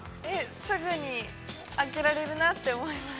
◆すぐに、開けられるなと思いました。